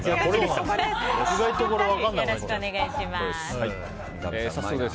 よろしくお願いします。